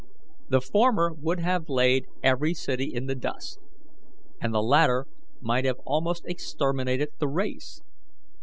The former would have laid every city in the dust, and the latter might have almost exterminated the race.